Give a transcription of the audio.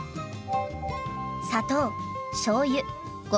砂糖しょうゆごま